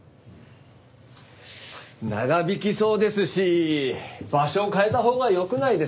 長引きそうですし場所を変えたほうがよくないですか？